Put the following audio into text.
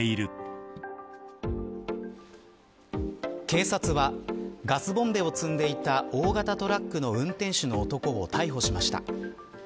警察はガスボンベを積んでいた大型トラックの運転手の男を逮捕しました。